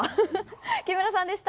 木村さんでした。